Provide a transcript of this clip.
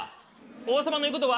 王様の言うことは。